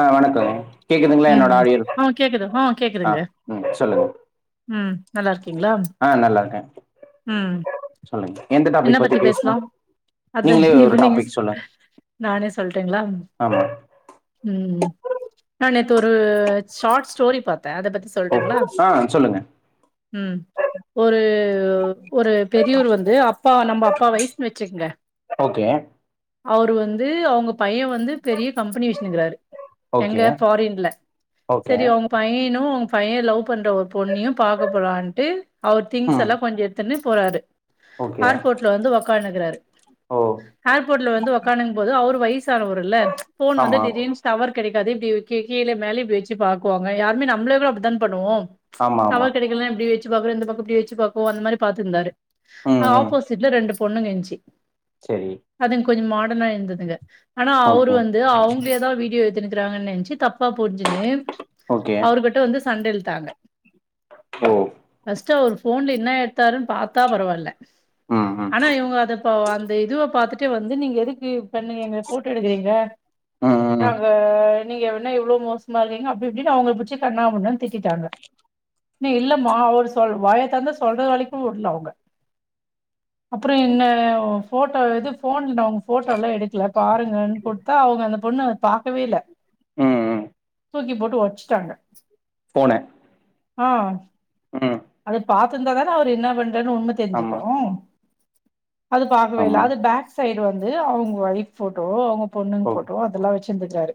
ஆஹ் வணக்கம் கேக்குதுங்களா உம் என்னோட ஆடியோ ஆஹ் கேக்குது ஆஹ் ஆ கேக்குதுங்க ம் சொல்லுங்க உம் நல்லா இருக்கீங்களா ஆ நல்லா இருக்கேன் உம் சொல்லுங்க எந்த என்ன டாபிக் பத்தி பேஸ்லா பேசணும் அது நீங்களே ஒரு எவல யூஸ் டாபிக் சொல்லுங்க நானே சொல்டுங்ளா ஆமா ம் நா நேத்து ஒரு சாட் ஸ்டோரி பாத் த அத பத்தி ஓ சொல்ட்டுங்ளா ஆ சொல்லுங்க உம் ஒரு ஒரு பெரியவர் வந்து அப் ப நம்ப அப்பா வய்ஸ்ன்னு வச்சுக்ங்க ஓகே அவரு வந்து அவங்க பையெ வந்து பெரிய கம்பெனி வச்னிக்குறாரு எங்க ஓகே ஃபாரின்ல ஓகே செரி அவங்க பையெனு பையெ லவ் பண்ற ஒரு பொண்ணயு பாக்க போலான்ட்டு அவர் திங்ஸ் ம் எல்லா கொஞ்சொ எடுத்துன்னு போறாரு ஓகே ஹேர்போட்ல வந்து உக்காந்துக்குறாரு ஓ ஹேர்போட்ல வந்து உக்காந்க்கும் போது அவரு வைஸ் சானவருல போன் வந்தா ஆமா திடீன் ஸ்டவர் கெடைக்காது இப்டி கி கீழ மேலே இப்டி வெச்சி பாக்குவாங்க யாருமே நம்ளேவு அப்டிதான் பண்ணுவோ ஆமா ஆமா டவர் கெடைக்கலனா இப்டீ வெச் சி பாக்றெ இந்த பக்கொ இப்டி வச்சி பாப்போ அந்த மாரி பாத்துர்ந்தாரு அ ஆப்போசிட்ல ரெண்டு பொண்ணுங்க இருந்ச்சி செரி கொஞ்ச மாடனா இருந்ததுங்க ஆனா அவரு வந்து அவுங்ல்யேதா வீடியோ எடுத்துனு திருவாங்கனு நென்ச்சி தப்பா புரிஞ்சின்னு ஓகே அவரு கிட்ட வந்து சண்ட இழுத்தாங்க ஓ ஃபஸ்ட் அவு ஃபோன்ல என்ன எடுத்தாருன்னு பாத்தா பரவால்ல ம் ம் ஆனா இவங்க அத ப அந்த இதுவ பாத்துட் டு வந்து நீங்க எதுக்கு பண்ணு நீங்க ஃபோட்டோ எடுக்குறீங்க ம் ம் நாங்க நீங்க எவன்ன இவ்ளோ மோசமா இருக்கீங்க அப்டி இப்டின்னு அவங்கள புச்சி கண்ணாபின்னானு திட்டிட்டாங்க நி இல்லம்மா அவரு சொல் வாய தெறந்து சொல்ற வலைக்கு விடுல அவங்க அப்புற என்ன ஃபோட்டோ இது ஃபோன்ல நா உங்ள போட்டோலா எடுக்கல பாருங்கன் குடுத்தா அவுங்க அந்த பொண்ணு பாக்கவே இல்ல ம் தூக்கி போட்டு ஒச்சிட்டாங்க போன ஆ அது பாத்திருந்தா தானே அவரு என்ன பண் ருன்னு உண்ம ஆமா தெருஞ்சுக்கும் அது பாக்கவே இல்ல ஆமா அது பேக் சைடு வந்து அவுங்க வைஃப் போட்டோ அவ பொண்ணுங் ஓ ஃபோட்டோ அதெல்லா வச் செஞ்சுற்றாரு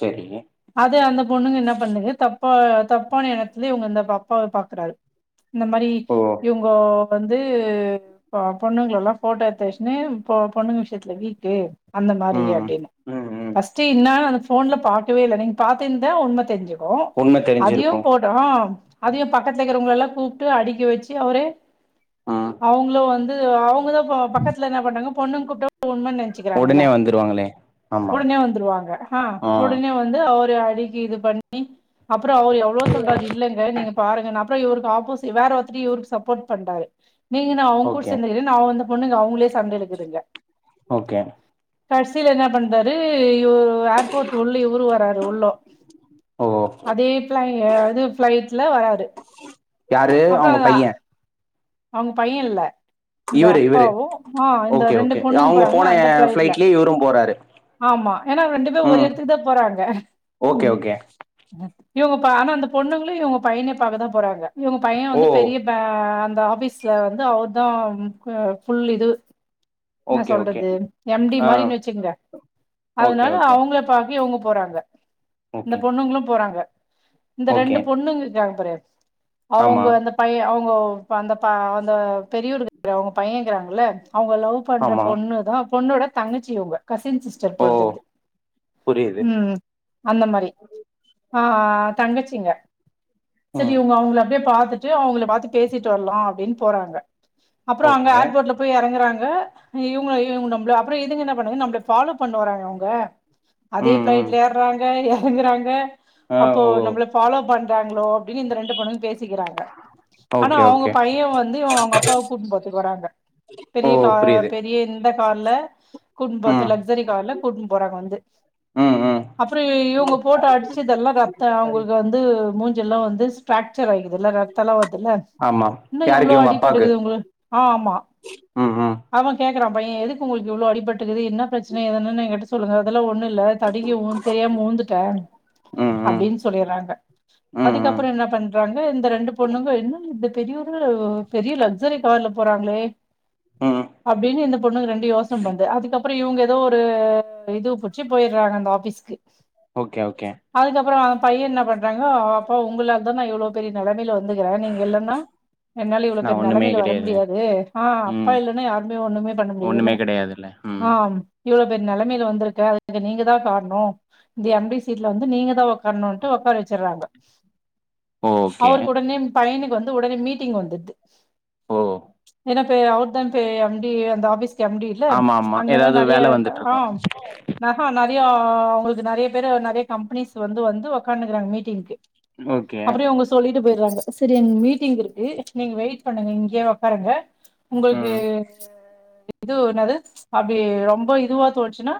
சரி அது அந்த பொண்ணுங்க என்ன பண்ணுங்க தப் தப்ப தப்பான என்னத்துலய இவங்க இந்த பாப்பாவ பாக்கறாரு இந்த மாரி ஓ இவங்கோ வந்து பொண்ணுங்கல்லா ஃபோட்டோ எடுத்துவெச்சுன்னு பொண்ணுங்க விஷயத்துல வீக்கு அந்த மாரி ம் ம் அப்டின்னு ம் ம் ஃபஸ்ட் இன்னா ஃபோன்ல பாகவேல்ல நீங்க பாத்தீந்த உண்ம தெருஞ்சு கும் உண்மை அதையு தெரிஞ்சிருக்கும் போடும் அதையு பக்கத்துல இருக்கிறவங்களல்லா கூப்ட்டு அடிக்க வச்சு அவுரே ம் அவங்கள வந்து அவங்க தா பக்கத்ல என்ன பண்ணாங் பொண்ணுங் கூப்ட்டா உண்ம நெனச்சுக்கறாங்கள உடனே வந்துருவாங்களே ஆமா உடனே வந்ருவாங்க ஆ உடனே வந்து ஒரு லைக் இது பண்ணி அப் அப்றோ அவர் எவ்ளோ சொல்றாரு இல்லங்க நீங்க பாருங்க நா அப்றோம் இவருக் ஆ போசி வேற ஒருத்தர் இவருக்கு சப்போர்ட் பண்றாரு நீங்க என்ன அவங் கூட ஓகே சேந்துருக் நா வந்து பொண்ணுங்க அவங்ளே சண்ட இழுக்குதுங்க ஓகே கடைசியில என்ன பண்றாரு இவ ஏர்போர்ட் உள்ளி இவரு வராரு உள்ளோ ஓ அதே இது ஃபிளைட் ல வராரு யாரு அப்புறோ அவங்க பைய அவங்க பைய இல்ல இந்த இவரு இவரு அப்பாவும் ஆ இந்த ஓகே ரெண்டு ஓகே பொண்ணுங்க அவங்க போறாங்ளா போன அந்த ஃபிளைட்ல ஃபிளைட்லயே இவரும் போறாரு ஆமா ஏன்னா ரெண்டு பேரு ஒரே ம் எடத்துக்கு தா போறாங்க ஓகே ஓகே இவங்க பா ஆனா அந்த பொண்ணுங்களு இவங்க பையன பாக்க தா போறாங்க இவுங்க பைய ஓ வந்து பெரிய பே த ஆஃபீஸ்ல வந்து அவர்தா ஃபுல் இது ந ஓகே ஓகே சொல்றது எம் டி ஆ மாரின் வச்சுகங்க ஓகே அதனால ஓகே அவுங்ள பாக்க இவுங்க போறாங்க இந்த ஓகே பொண்ணுங்ளு போறாங்க இந்த ஓகே ரெண்டு பொண்ணுங்க கா [unintelligible] ஆமா அவுங்க அந்த பைய அவு ங்கொ பந்த பா அந்த பெரியுரு அவுங்க பைய கிறாங்கல்ல அவுங்களோ பண்ற ஆமா பொண்ணு தா பொண்ணோட தங்கச்சி இவுங்க கசின் சிஸ்டர் ஓ பொல்துது புரியுது உம் அந்த மாரி ஆ தங்கச்சிங்க செரி ம் உங்க அவுங்ள அப்டியே பா த்தட்டு அவுங்ள பாத்து பேசிட்டு வர்லா அப்டின் போறாங்க அப்றோ அங்க ஓகே ஏர்போட்ல போய் எறங்குறாங் ஆ இவுங்க இவுங் நம்ள அப்ற எதுங்க நம் ஒன்னு நம்ள ஃபாலோ பண்ணு வராங்க அவுங்க அதே ம் ம் பிளைட்ல ஏர்றாங்க எ றங்குறாங்க ஆ அப்போ ஓ நம்ள ஃபாலோ பண் பேங்ளோ [unintelligible] இந்த ரெண்டு பொணுங் பேசிக்கிறாங்க ஆனா ஓகே அவுங்க ஓகே பைய வந்து அவுங்க அப்பாவ கூட்னு போற்த்துக்கு வராங்க ஓ பெரிய பா புரியுது ரிய இந்த கார்ல கூட்னு போத்த ம் லக்ஸரி கார்ல கூட்னு போறாங்க வந்து ம் ம் அப்றோ இவுங்க போட்டு அடுச்சு தெல்லா ரத்த அவுங்கள்கு வந்து மூஞ் எல்லா வந்து ஸ்ட்ராட் ச்சராயிர்துல்ல ரத்தலா வர்துல ஆமா இன்னு யாருக்கு இவ்ளோ இவங்க அப்பாக்கு அடிப்பட்டுகுது உங்கள் ஆ ஆமா ம் ம் கேக்குறா பைய எதுக்கு உங்கள்க்கு இவ்ளோ அடிபட்டுகுது என்ன ப்ரச்ன எதானான எங்கட்ட சொல்லுங்க அதெல்லா ஒன்னு ல்ல தடுகி உ தெரியாம ஊந்துட்டே ம் ம் அப்டீன் சொல்லிறாங்க ம் அதுக்கப்பறொ ம் என்ன பண்றாங்க இந்த ரெண்டு பொண்ணுங்க என்ன இது பெரியொரு பெரிய லக்ஸரி கார்ல போறாங்ளே ம் அப்டீனு இந்த பொண்ணுங்க ரெண்டு யோஸ்னம் பன்து அதுக்கப் அப்புறோ இவுங்க எதோ ஒரு இது புட்ச்சி போயிர்றாங்க அந்த ஆஃபீஸ்க்கு ஓகே ஓகே பையன் என்ன பண்றாங்க அ அப்பா உங்ளால தா நா இவ்ளோ பெரிய நெலமைல வந்துக்குறே நீங்க இல்லன்னா என்னால இவ்ளோ நா பெர் ஒண்ணுமே நெலமைல வர கெடையாது முடியாது ஆ அப்பா ம் இல்லனா யாருமே ஒண்ணுமே பண்ண முடியாதுல்ல ஒண்ணுமே கெடையாதுல்ல ம் ஆம் இவ்ள பெரிய நெலமைல வந்துருக்க அதுக்கு நீங்க தா கார்ணு இந்த எம் டி சீட்ல வந்து நீங்க தா ஒக்கார்ணுன்ட்டு ஒக்கார வச்சிர்றாங்க ஓகே அவருக்கு உடனே [unintelligible] வந்து ஒடனே மீட்டிங் வந்துட்து [unintelligible] [unintelligible] ஓ [unintelligible] எம் டி அந்த ஆஃபிஸ் எம் டி இல்ல ஆமா ஆமா அங்க தா ஏதாவது நறைய வேல ஆ வந்துட்ருக்கு நகோ நக நறைய அவங்களுக்கு நறைய பேரு நறைய கம்பெனிஸ் வந்து வந்து ஒக்கான்டுக்குறாங்க மீட்டிங்க்கு ஓகே ட்டு போயிர்றாங்க சரி எனக்கு மீட்டிங் இருக்கு நீங்க வெயிட் பண்ணுங்க இங்கே ஒக்காருங்க ம் இது என்னது அப்டி ரொம்ப இதுவா தோணுச்சுன்னா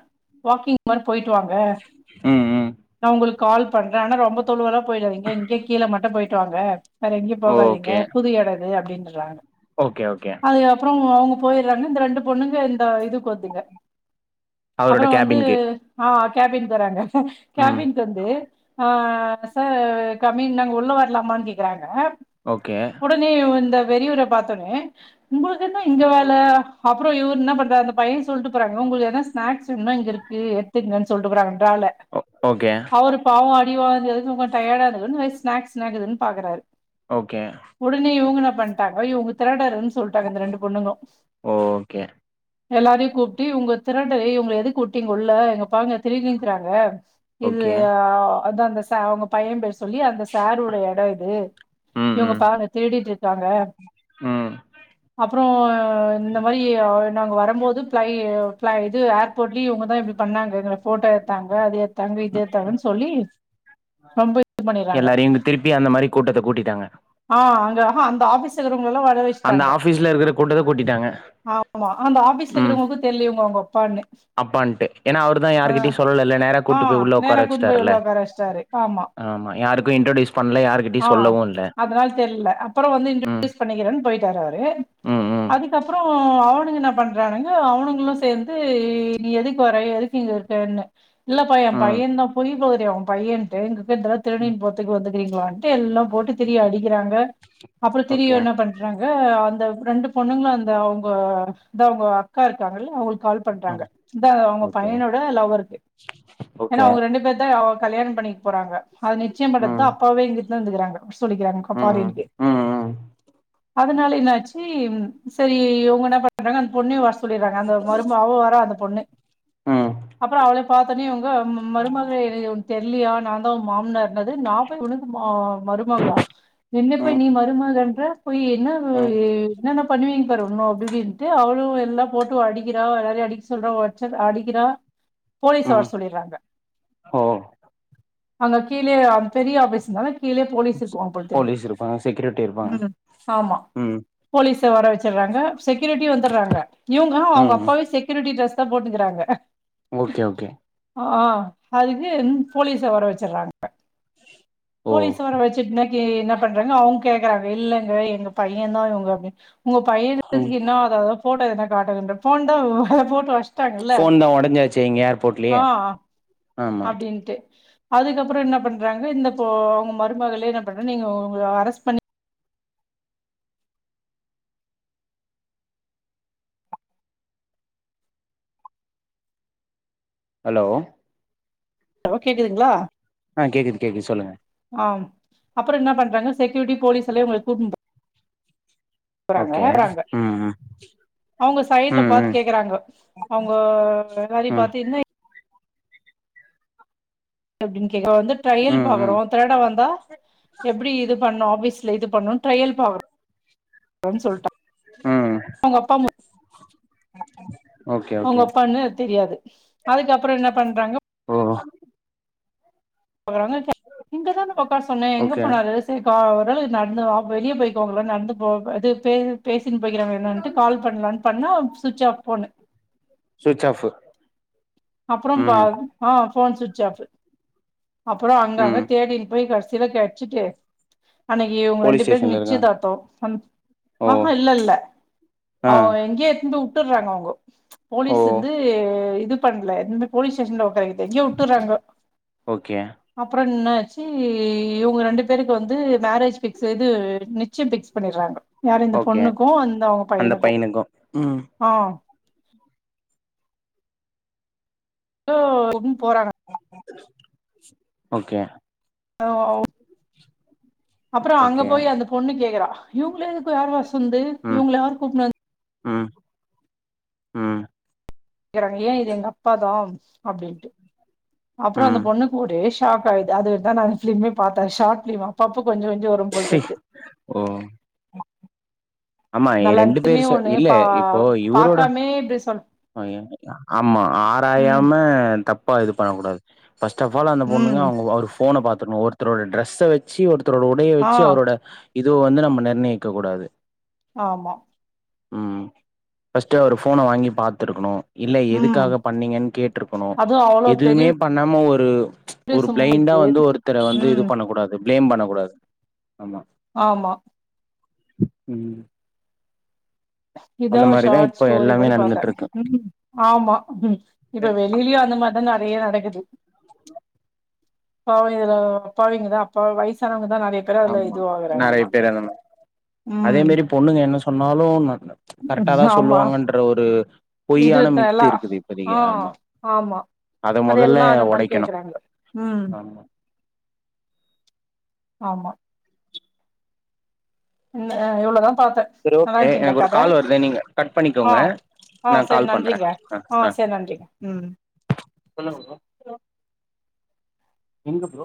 வாக்கிங் மாரி போயிட்டு வாங்க ம் ம் நா ஒங்குளுக்கு கால் பண்றே ஆனா ரொம்ப தொலவெல்லா போயிடாதீங்க இங்கே கீழ மட்டு போயிட்டு வாங்க வேற எங்யு போகாதீங்க ஓகே புது எடோ இது அப்டின் ஓகே ஓக் அதுக் அப் அவ் அவுங்க போயிறாங்க இந்த ரெண்டு பொண்ணுங்க அ இதுக்கு வந்துங்க அவரோட அப்புற வந்து கேபின்க்கு அ கேபின் சொறாங்க ம் கேபின்டவந்து அ அ சார் கம்மிங் நாங்க உள்ள வரலாமான்னு கேக்குறாங்க த ஓகே உடனே இந்த பெரியவற பாத்தோனே ம்ப இத தா இங்க வேல அப்புரோ இவர் என்ன பண்றாரு இந்த பயன் சொல்ட்டு போறாங்க ஒங்களுக்கு எதாவது ஸ்னாக்ஸ் வேணுனா இங்க இருக்கு எத்துக்குங்க னு சொல்ட்டு போறாங்க டால ஓ ஓகே அவரு பாவோ [unintelligible] டியடா இருக்குன்னு எ ஸ்னாக்ஸ் ஸ்னாக்குதுனு பாக்குறாரு ஓகே உடனே இவங்க என்ன பண்ட்டாங்க இவங்க திரடரந்து சொல்ட்டாங்க இந்த ரெண்டு பொண்ணுங்க ஓகே எல்லாரையு கூப்ட்டு இவுங்க திரடலயே இவங்க எதுகு கூப் டிங்க உள்ள இங்க பாருங்க திரு றாங்க இது ஓகே அதா இந்த ச அவங்க பைய பேரு சொல்லி அந்த சாரோட இடம் இது ம் இவங்க ம் பாருங்க திருடிட்ருக்காங்க ம் அப்றம் இந்த மாரி நாங்க வரம்போது ப்ளை இது ஏர்போட்லியும் முத இப்டி பண்ணாங்க போட்டோ எத்தாங்க அது ஏத்தாங்க இது ஏத்தாங்கன் சொல்லி ரொம்ப இது பண்ணிறாங்க எல்லாரையு இங்க திருப்பி அந்த மாரி கூட்டத்த கூட்டிட்டாங்க ஆஹ் அங்க அஹ்ஹா அந்த ஆபிஸ்ல இருக்கவங்கலா வர அந்த வச்சுட்டாங்க ஆபிஸ்ல இருக்ற கூட்டத கூட்டிட்டாங்க ஆமா அந்த ஆபீஸ்ல உம் இருக்கிறவங்களுக்கு தெர்ல இவங்க அவங்க அப்பான்னு அப்பான்ட்டு ஏனா அவருதா ஆ யாருகிட்டியு சொல்லல இல்ல நேர ஆ கூட்டு போய் உள்ள நேரா உக்கார கூட்னு போய் வச்சுட்டாருல்ல உள்ள உக்கார வச்ட்டாரு ஆமா ஆமா யாருக்கு இன்றோடியூஸ் பண்ல ஆ யாருகிட்டியு சொல்லவும் இல்ல அதனால ஹ்ம் ட்டாரு அவரு அதுக்கப்றம் ஹ்ம் அவனுங்க என்ன பண்றானுங்க அவனுங்ளும் சேந்து நீ எதுக்கு வர எதுக்கு இங்க இருக்குனு இல்ல பா என் ம் பையந்தா புரிய போரியா உ பையன்ட்டு ன்றா ம் திருனின் போறத்துக்கு வந்து ரிங்ளானு ட்டு எல்லா போட்டு திரிய அடிக்கிறாங்க அப்றம் திரிய ஓகே என்ன பண் ங்க அந்த ரெண்டு பொண்ணுங்ளும் அந்த அவங்க தா அவங்க அக்கா இருக்காங்கல அவங்ளுக் கால் பண்ட்டாங்க ஆமா அதா அவங்க ஓகே பையனோட லவ்வருக்கு ஏனா ஓகே அவங்க ரெண்டு பேத்தா கல்யாணபன்னி போறாங்க அது நிச்சியம் பன்னதா ம் அப்பாவே இங்க வந்துகறாங்க சொல்லிகிறாங்க ம் ம் பாரீன்க்கு ம் ம் அதனால என்னாச்சு சரி இவங்க என்ன பண்றாங்க பொண்ணியு வர சொல்லிறாங்க அந்த மருமவ அவ வரா அந்த பொண்ணு ம் அப்றம் அவள பாத்தோனே இவங்க மருமகள எ தெரிலியா நாந்தா உ மாம்னாரு னது நா போய் உனக்கு ம மருமகளா ம் என்னபோய் நீ மருமகன்ற போய் என்ன ம் என்னன்ன பண்ணுவிங்கபாரு இன்னும் அப்டி இப்டினு ட்டு அவளும் எல்லா போட்டு அடிக்கிறா எல்லாரையு அடிக்க சொல்றா அடிச்சு அடிக்கிறா போலீஸ வர ம் சொல்லிறாங்க ஓ அங்க கீழியே பெரிய ஆப்ஸ்னால கீலயே போலீஸ் இருக்குவாங்க போல தெரியுது போலீஸ் இருப்பாங்க செக்யூரிட்டி இருப்பாங்க உம். ஆமா ம் போலீஸ். பீச வர வச்சுடுறாங்க. செக்யூரிட்டி வந்துடுறாங்க இவங்க அவங்க ம் ம் அப்பாவயே செக்யூரிட்டி டிரெஸ். போட்டுங்கிறாங்க. Okay okay. அதுக்கு போலீஸ வர வச்சிடுறாங்க. ஓ போலீஸ் வர வச்சுட்டு இன்னைக்கி என்ன பண்றாங்க அவங்க கேக். வரவேயில்ல. எங்க பையன் தான் இவங்க அப்படினு. உங்க ம் பையன்றதுக்கு என்ன ஆதாரோ போட்டா எதனா. காட்டுங்க இந்த போன்தா போன். வச்சுட்டாங்கல்ல. ஃபோன் தா ஒடஞ்சாச்சே இங்க ஏர்போர்ட்லயே ஆ ஆமா அப்படின்ட்டு. அதுக்கப்புறம் என்ன பண்றாங்க இந்த அவங்க மருமகளே என்ன பண்ற நீங்க அவங்கள அரெஸ்ட் பண்ணி. ஹலோ. ஹலோ கேக்குதுங்களா. ஆ கேக்குது கேக்குது சொல்லுங்க. ஆம் அப்புறம் என்ன பண்றாங்க செக்யூரிட்டி போலீஸ்லயே இவங்கள கூட். போறாங்க ஓகே றாங்க. ம் ம் அவங்க சைடுல ம் ம் பார்த்து கேக்குறாங்க அவங்க எல்லாதி ம் பார்த்து என்ன. அப்படின். வந்து டிரயல் ம் ம் பாக்குறோம் திருட வந்தா எப்படி இது பண்ணும் அப்படி. ஸ்ல இது பண்ணும் ட்ரையல் பாக்குரோ. னு சொல்லிட்டே ம் உங்க அப்பாவு. ஓகே அவங்க ஓகே அப்பான்னு தெரியாது. அதுக்கப்புறம் என்ன பண்றாங்க. ஓ பாறாங்க இங்கதான உக்கார சொன்னேன் எங்க ஓகே போனாரு சேக்கா. ஒரு வேல நடந்து வெளியே போயிருக்காங்களோ நடந்து போ அது பே. பேசினு போயிருக்கிறாங்க என்னன்ட்டு கால் பண்ணலான்னு பண்ணா சுட்ச் ஆஃப் போன்னு. சுவிட்ச் ஆஃப் அப்புறம் பா ம் ஆ. Phone சுட்ச் off. அப்புறம் அங்கங்க ம் தேடின்னு போய் கடைச். கடைசில கடச்சுட்டு. அன்னைக்கு இவங்க போலீஸ் ரெண்டு பேருக்கு ஸ்டேஷன்ல இருக்கா நிச்சயதார்த்தோம். ஓ ஆஹா இல்ல இல்ல ஆ அவ எங்கயே எடுத்துன்னு போயி. விட்டுறாங்க அவங்கோ. ம்ச் ஓ போலீஸ் வந்து இதுக்கு. இது பண்ணல போலஸ்ஸேஷல உ ஞ விட்டுறாங்க ஓகே அப்புறம் இன இங்க ரெண்டு பேருக்கு வந்து மேரேஜ் பிக்ஸ் நிச்சயம் பிக்ஸ் பண்ணடுறாங்க யார இந்த ஓகே பொண்ணுக்கும் அந்த அவங்க அந்த பையனுக்கும் பையனுக்கு ம் ஆ [unintelligible] போராட ஓகே ஆ ஓ அப்புறோ அங்க ஓகே போய் அந்த பொண்ணு கேக்குறா இவுங்கள எதுக்கு [unintelligible] சொந்து இவங்கள யாரு கூப்னு ஆ ஆ க்கறாங்க ஏ இது எங்க அப்பாதா அப்டின்ட்டு அப்புறோ அந்த ம் பொண்ணுக்கு ஒடேஷ் பாப்பே அது இதா நானு ஃபிலிமே பாத்தே ஷார்ட்ஃபிலிமா பாப்ப கொஞ்ச கொஞ்சோ வரும்பொழுது சி இது ஓ ஆமா ரெண்டு பேர் ஒண்ணு இல்ல பா இப்போ இவரோட பாக்காமே இப்டி சொல் அ ஆமா ம் ஆராயாம தப் இப்பா இது பண்ணக்கூடாது ஃபஸ்ட் அஃப் ஆல் அந்த பொண்ணுங்க ம் அவங்க அவரு போன பாத்துக்கணு ஒருத்தரோட ட்ரெஸ வச்சு ஒரு ரோட உடைய ஆ வச்சு அவரோட இது வந்து நம்ம நிர்ணயிக்க கூடாது ஆமா ம் ஃபர்ஸ்ட்டு அவரு ஃபோன வாங்கி பாத்துருக்கணு இல்ல ம் எதுக்காக பண்ணீங்கன்னு கேட்டிருக்கணு அதுவு அவ்ளோ எதுமே பெரிய பண்ணாம ஒரு ரு ஒரு சும்மா பிளைண்டா இது வந்து ஒருத்தர வந்து இது ம் பண்ணக் கூடாது பிளேம் பண்ணக்கூடாது ஆமா ஆமா ஹ ம் இத அந்த ஒரு மாரிதா ஷார்ட் இப்போ ஸ்டோரி எல்லாமே மாரி பாத்தே நடந்துட்ருக்கு உம் ஆமா இப்ப வெளிலயு அந்த மாரிதா நெறைய நடக் பாவீங்களா அப்பாவிங்கதா அப்ப வயசானவங் ஆமா நெறைய பேர் அந்த அதே ம் மாரி பொண்ணுங்க என்ன சொன்னாலு கரெக்டாதா சொல்லுவாங்கன்ற ஒரு பொய்யான இதுத்த மித்து எல்லா இருக்குது இப்போதைக்கு ஆஹ் ஆமா ஆமா அத மொதல்ல எல்லா அந்த மாரி ஒடைக்கணு கேக்குறாங்க உம் ஆமா ஆமா அ எவ்ளதா ப்ரோ எ எனக்கு ஒரு கால் வருது நீங்க கட் ஆ பண்ணிக்கோங்க ஆ நா சரி கால் பண்றே நன்றிங்க அ, ஆ அ சரி நன்றிங்க ம் எங்க ப்ரோ